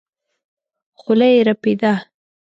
خوله يې رپېده.